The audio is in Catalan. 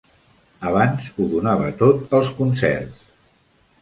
Abans ho donava tot als concerts.